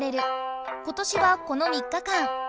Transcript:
今年はこの３日間。